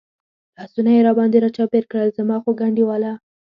لاسونه یې را باندې را چاپېر کړل، زما خوږ انډیواله.